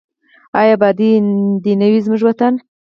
آیا اباد دې نه وي زموږ وطن؟